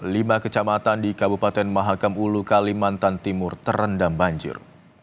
lima kecamatan di kabupaten mahakam ulu kalimantan timur terendam banjir